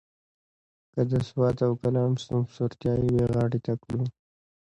که د سوات او کالام سمسورتیا یوې غاړې ته کړو.